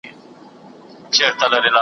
ږغ ته د انصاف به د زندان هتکړۍ څه وايي .